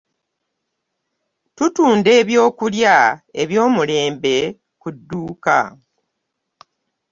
Tutunda ebyokulya eby'omulembe ku dduuka.